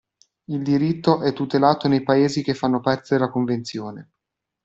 Il diritto è tutelato nei paesi che fanno parte della convenzione.